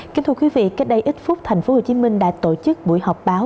kính thưa quý vị cách đây ít phút thành phố hồ chí minh đã tổ chức buổi họp báo